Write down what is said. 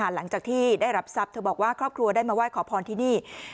หลังจากที่ได้รับทรัพย์เธอบอกว่าครอบครัวได้มาไหว้ขอพรที่นี่